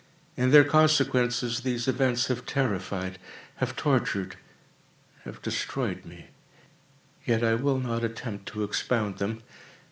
In their consequences, these events have terrified—have tortured—have destroyed me. Yet I will not attempt to expound them.